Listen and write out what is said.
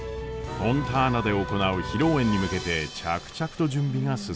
フォンターナで行う披露宴に向けて着々と準備が進んでいきました。